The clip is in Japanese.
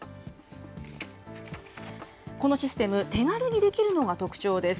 このシステム、手軽にできるのが特徴です。